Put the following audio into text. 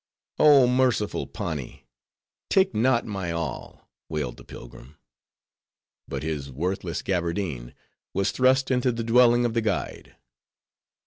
"Oh! Merciful Pani, take not my all!" wailed the pilgrim. But his worthless gaberdine was thrust into the dwelling of the guide.